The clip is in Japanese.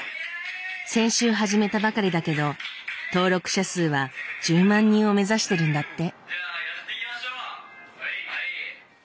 先週始めたばかりだけど登録者数は１０万人を目指してるんだって。